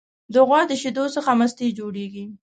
د غوا د شیدو څخه مستې جوړیږي.